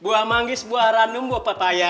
buah manggis buah ranum buah papaya